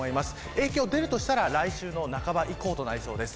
影響出るとしたら来週の半ば以降となりそうです。